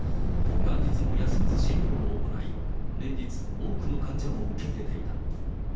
元日も休まず診療を行い、連日、多くの患者を受け入れていた。